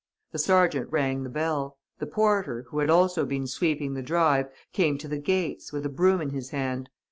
The sergeant rang the bell. The porter, who had also been sweeping the drive, came to the gates, with a broom in his hand.